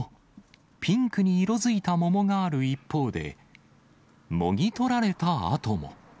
ピンクに色づいた桃がある一方で、もぎ取られた跡も。